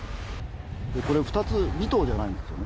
これ、２つ、２棟じゃないんですよね。